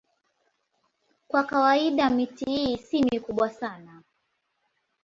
Kwa kawaida miti hii si mikubwa sana.